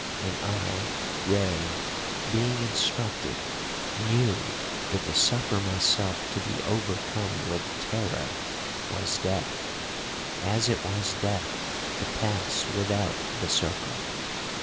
"And I, Rei, being instructed, knew that to suffer myself to be overcome with terror was death, as it was death to pass without the circle.